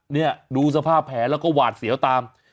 นี่ดูสภาพแผลแล้วก็หวาดเสียวตาม